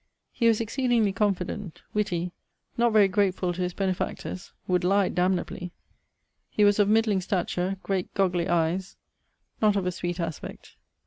He was exceedingly confident, witty, not very gratefull to his benefactors, would lye damnably. He was of midling stature, great goggli eies, not of a sweet aspect.